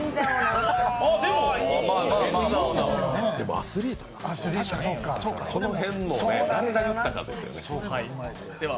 アスリートよ、その辺のね、誰が言ったかですよね。